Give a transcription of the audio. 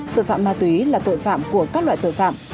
tội phạm ma túy là tội phạm của các loại tội phạm